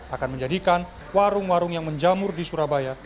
akan menjadikan warung warung yang menjamur di surabaya